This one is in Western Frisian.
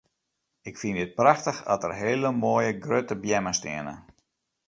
Ik fyn it prachtich at der hele moaie grutte beammen steane.